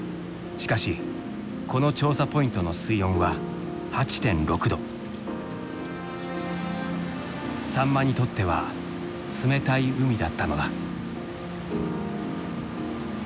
しかしこの調査ポイントの水温はサンマにとっては冷たい海だったのだ。